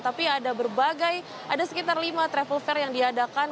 tapi ada berbagai ada sekitar lima travel fair yang diadakan